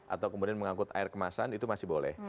atau kemudian mengangkut air kemasan itu masih boleh